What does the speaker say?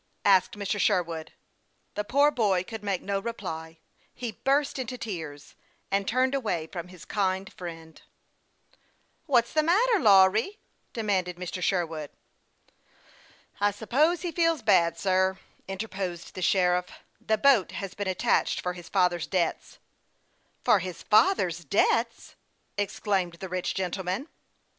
" asked Mr. Sherwood. Ths poor boy could make no reply ; he burst into tears, and turned away from his kind friend. " What's the matter, Lawry ?" demanded Mr. Sherwood, greatly astonished at this singular demon stration. " I suppose he feels bad, sir," interposed the sher iff. " The boat has been attached for his father's debts." " For his father's debts !" exclaimed the rich gentleman.